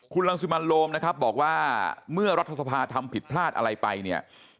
คุณรังสิบมันโรมบอกว่าเมื่อรัฐสภาพทำผิดพลาดอะไรไป